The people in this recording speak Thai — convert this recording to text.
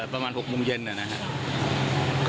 ประมาณ๖ที่มตรเย็นเดี๋ยวนั้นค่ะ